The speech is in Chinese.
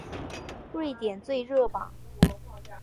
瑞典最热榜。